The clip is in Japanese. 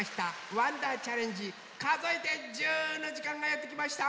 「わんだーチャレンジかぞえて１０」のじかんがやってきました！